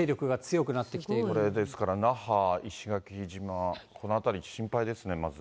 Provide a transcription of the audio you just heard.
これですから、那覇、石垣島、この辺り、心配ですね、まず。